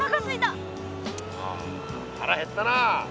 ああ腹減ったな。